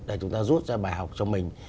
để chúng ta rút ra bài học cho mình